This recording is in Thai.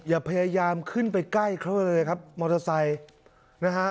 อย่าพยายามขึ้นไปใกล้เขาเลยครับมอเตอร์ไซค์นะฮะ